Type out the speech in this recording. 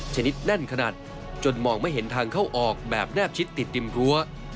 ชนิดแน่นขนาดจนมองไม่เห็นทางเข้าออกแบบแนบชิดติดริมรั้ว